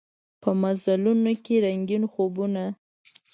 په مزلونوکې رنګین خوبونه